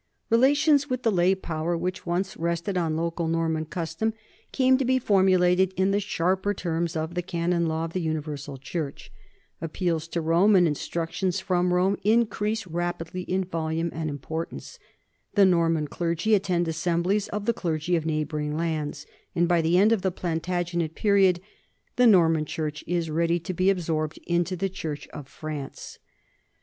Relations with the lay power which once rested on local Norman custom come to be formulated in the sharper terms of the canon law of the universal church ; appeals to Rome and instructions from Rome increase rapidly in volume and importance; the Norman clergy attend assemblies of the clergy of neighboring lands; and by the end of the Plantagenet period the Norman church is ready to be absorbed into the church of France.